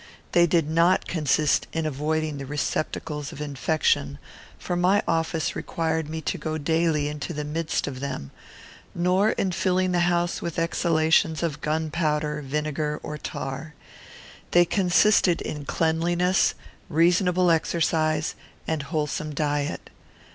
They did not consist in avoiding the receptacles of infection, for my office required me to go daily into the midst of them; nor in filling the house with the exhalations of gunpowder, vinegar, or tar. They consisted in cleanliness, reasonable exercise, and wholesome diet.